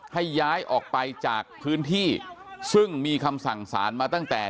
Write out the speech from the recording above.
ให้ย้ายออกไปจากพื้นที่ซึ่งมีคำสั่งสารมาตั้งแต่